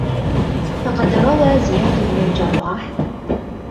فَقَدْ رَوَى زِيَادُ بْنُ الْجَرَّاحِ